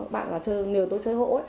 bạn là người tôi chơi hộ